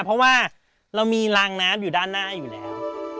เพราะว่าเรามีรางน้ำอยู่ด้านหน้าอยู่แล้ว